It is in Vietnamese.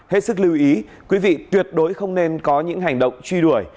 hết sức lưu ý quý vị tuyệt đối không nên có những hành động truy đuổi